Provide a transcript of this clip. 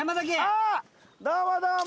ああどうもどうも。